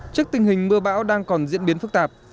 trước tình hình mưa bão đang còn diễn biến phức tạp